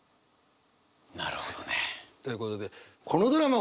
なるほどね。ということでこのドラマ